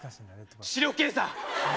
視力検査。